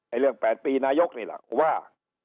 ไอ้เรื่อง๘ปีนายกนี่ล่ะว่า